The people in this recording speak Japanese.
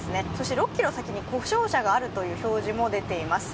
６ｋｍ先に故障車があるという表示も出ています。